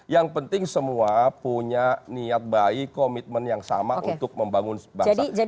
yang penting semua punya niat baik komitmen yang sama untuk membangun bangsa